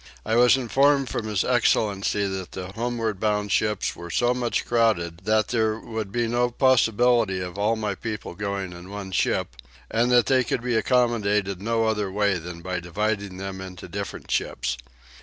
I was informed from his excellency that the homeward bound ships were so much crowded that there would be no possibility of all my people going in one ship, and that they could be accommodated no other way than by dividing them into different ships.